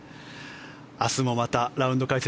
明日もまたラウンド解説